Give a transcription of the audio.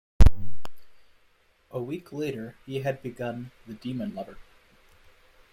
A week later he had begun "The Demon Lover."